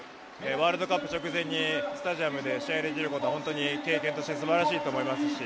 ワールドカップ直前にスタジアムで試合できることは本当に経験として素晴らしいと思います。